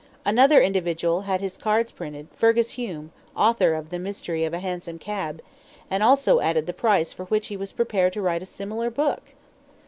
Another individual had his cards printed, "Fergus Hume. Author of 'The Mystery of a Hansom Cab,'" and also added the price for which he was prepared to write a similar book.